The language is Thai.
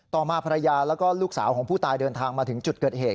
ต่อมาภรรยาแล้วก็ลูกสาวของผู้ตายเดินทางมาถึงจุดเกิดเหตุ